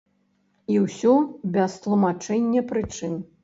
І ўсё, без тлумачэння прычын.